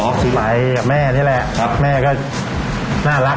เขาดูแบบแม่ก็น่ารัก